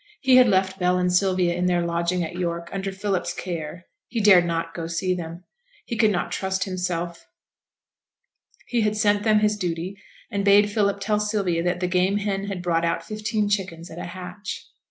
He had left Bell and Sylvia in their lodging at York, under Philip's care; he dared not go to see them; he could not trust himself; he had sent them his duty, and bade Philip tell Sylvia that the game hen had brought out fifteen chickens at a hatch.